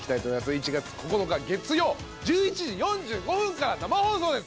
１月９日月曜１１時４５分から生放送です。